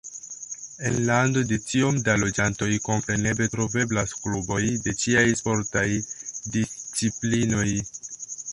En lando de tiom da loĝantoj, kompreneble troveblas kluboj de ĉiaj sportaj disciplinoj.